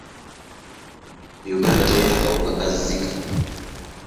Uganda terina kawuka ka Zika.